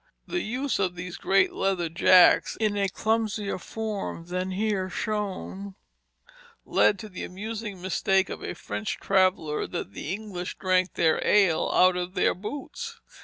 The use of these great leather jacks, in a clumsier form than here shown, led to the amusing mistake of a French traveller, that the English drank their ale out of their boots.